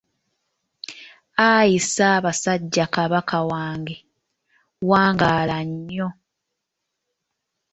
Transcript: Ayi Ssaabasajja Kabaka wange wangaala nnyo.